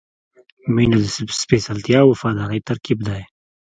• مینه د سپېڅلتیا او وفادارۍ ترکیب دی.